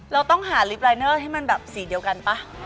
เราต้องหาริปลายเนอร์ให้มันสีเดียวกันปะ